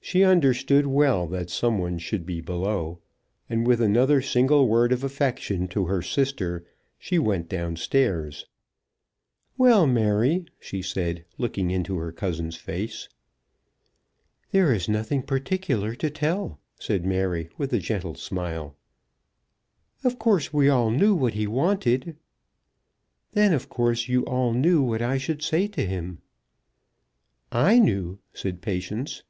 She understood well that some one should be below, and with another single word of affection to her sister, she went down stairs. "Well, Mary," she said, looking into her cousin's face. "There is nothing particular to tell," said Mary, with a gentle smile. "Of course we all knew what he wanted." "Then of course you all knew what I should say to him." "I knew," said Patience.